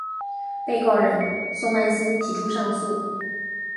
被告人宋万新提出上诉。